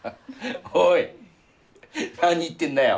おい何言ってんだよ？